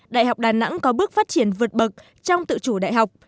đại học đà nẵng có bước phát triển vượt bậc trong tự chủ đại học